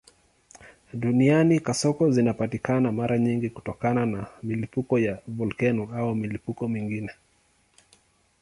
Duniani kasoko zinapatikana mara nyingi kutokana na milipuko ya volkeno au milipuko mingine.